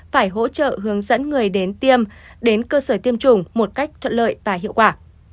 phải hỗ trợ hướng dẫn người đến tiêm đến cơ sở tiêm chủng một cách thuận lợi và hiệu quả